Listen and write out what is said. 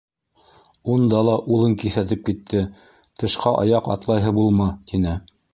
Унда ла улын киҫәтеп китте: «Тышҡа аяҡ атлайһы булма!» - тине.